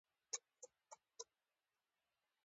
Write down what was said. د ترلاسه کولو لپاره یې کوم ګامونه پورته کړم؟